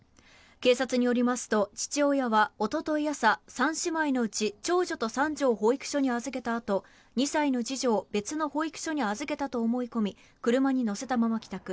警察によりますと父親は、おととい朝３姉妹のうち長女と三女を保育所に預けたあと２歳の次女を別の保育所に預けたと思い込み車に乗せたまま帰宅。